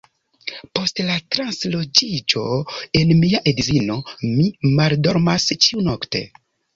Post la transloĝiĝo de mia edzino mi maldormas ĉiunokte.